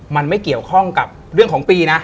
มันไม่เกี่ยวข้องกับเรื่องของปีนะ